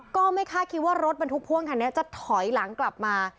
ก็ไม่คาดคิดว่ารถบรรทุกพ่วงคันนี้จะถอยหลังกลับมา